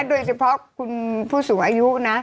โดยเฉพาะคุณผู้สูงอายุนะ